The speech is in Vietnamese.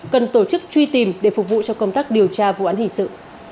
cần tổ chức truy tìm để phục vụ cho công tác điều tra vụ án hình sự